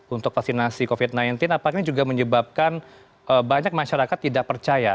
untuk vaksinasi covid sembilan belas apakah ini juga menyebabkan banyak masyarakat tidak percaya